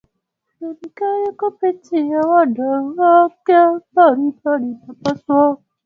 Serikali kupitia wadau wake mbalimbali inapaswa kujipambanua kwa kina